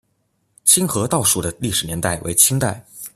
清河道署的历史年代为清代。